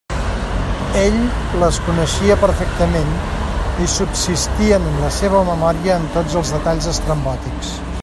Ell les coneixia perfectament, i subsistien en la seua memòria amb tots els detalls estrambòtics.